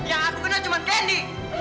yang aku kenal cuma candi